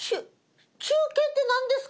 中継って何ですか？